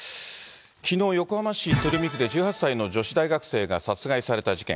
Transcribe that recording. きのう、横浜市鶴見区で１８歳の女子大学生が殺害された事件。